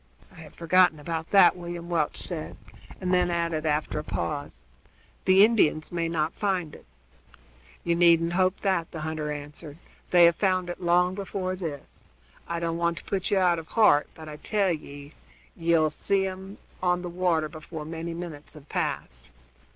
"I had forgotten about that," William Welch said, and then added, after a pause: "The Indians may not find it." "You needn't hope that," the hunter answered; "they have found it long before this. I don't want to put you out of heart; but I tell ye ye'll see them on the water before many minutes have passed."